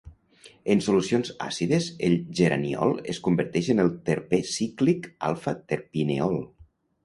En solucions àcides el geraniol es converteix en el terpè cíclic alfa-terpineol.